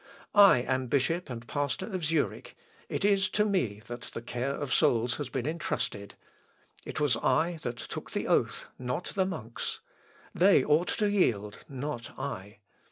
I am bishop and pastor of Zurich; it is to me that the care of souls has been entrusted. It was I that took the oath, not the monks. They ought to yield, not I.